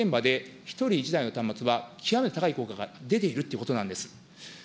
つまり教育現場で１人１台の端末は極めて高い効果が出ているということなんです。